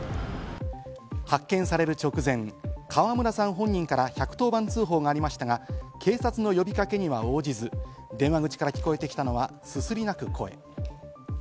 発見される直前、川村さん本人から１１０番通報がありましたが、警察の呼びかけには応じず、電話口から聞こえてきたのはすすり泣く声。